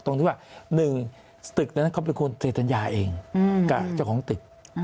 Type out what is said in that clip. ตรงที่ว่า๑สตึกนั้นเขาเป็นคนติดสัญญาเองกับเจ้าของตึก